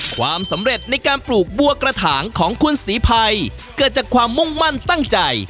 ความสำเร็จในการปลูกบัวกระถางของคุณศรีภัยเกิดจากความมุ่งมั่นตั้งใจ